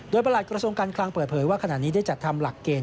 โดยประหลัดกระทรวงการคลังเปิดเผยว่าขณะนี้ได้จัดทำหลักเกณ